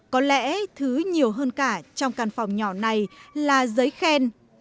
có lẽ thứ nhiều hơn cả trong căn phòng nhỏ này là giấy khen